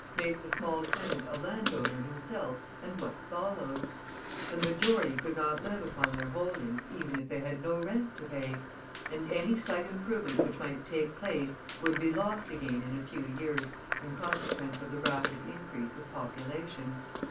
Make the small tenant a landowner himself and what follows? The majority could not live upon their holdings even if they had no rent to pay, and any slight improvement which might take place would be lost again in a few years in consequence of the rapid increase of population.